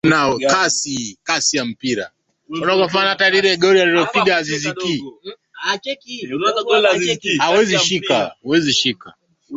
na hapo jana australia wamefunzu katika hatua